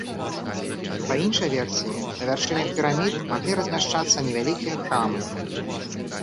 Па іншай версіі, на вяршынях пірамід маглі размяшчацца невялікія храмы.